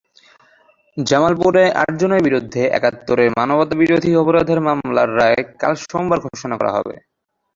জামালপুরের আটজনের বিরুদ্ধে একাত্তরের মানবতাবিরোধী অপরাধের মামলার রায় কাল সোমবার ঘোষণা করা হবে।